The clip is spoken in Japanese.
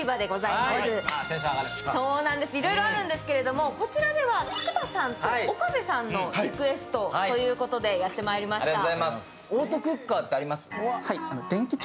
いろいろあるんですけれども、こちらでは菊田さんと岡部さんのリクエストということでやってまいりました。